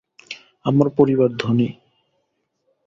আমার পরিবার ধনী।